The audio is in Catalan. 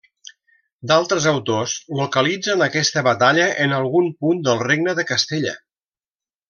D'altres autors localitzen aquesta batalla en algun punt del regne de Castella.